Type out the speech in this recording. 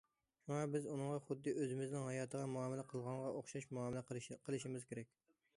شۇڭا بىز ئۇنىڭغا خۇددى ئۆزىمىزنىڭ ھاياتىغا مۇئامىلە قىلغانغا ئوخشاش مۇئامىلە قىلىشىمىز كېرەك.